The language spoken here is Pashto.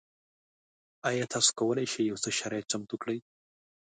ایا تاسو کولی شئ یو څه شرایط چمتو کړئ؟